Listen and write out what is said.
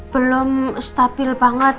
belum stabil banget